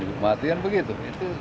dimakan ibu mati kan begitu